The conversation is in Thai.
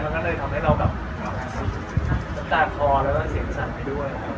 มันก็เลยทำให้เราแบบน้ำตาคอแล้วก็เสียงสั่นไปด้วยครับ